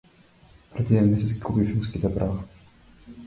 Пред еден месец ги купи филмските права